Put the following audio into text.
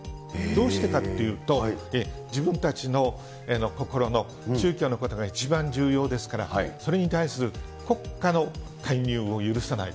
どうしてかっていうと、自分たちの心の宗教のことが一番重要ですから、それに対する国家の介入を許さない。